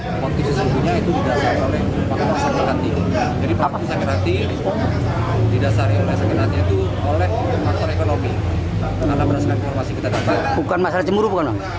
faktor ekonomi karena berdasarkan informasi kita dapat bukan masalah cemburu bukan apa